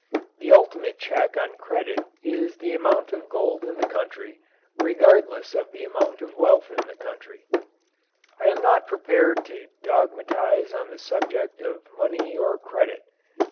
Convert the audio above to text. The ultimate check on credit is the amount of gold in the country, regardless of the amount of wealth in the country. I am not prepared to dogmatize on the subject of money or credit.